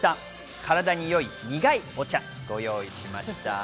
体に良い苦いお茶をご用意しました。